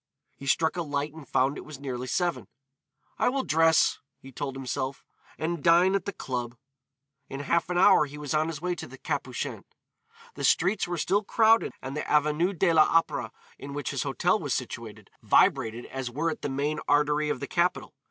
He struck a light and found that it was nearly seven. "I will dress," he told himself, "and dine at the club." In half an hour he was on his way to the Capucines. The streets were still crowded and the Avenue de l'Opéra in which his hotel was situated, vibrated as were it the main artery of the capital.